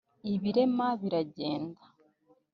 ibirema biragenda,